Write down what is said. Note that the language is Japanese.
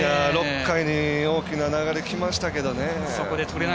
６回に大きな流れきましたけどね。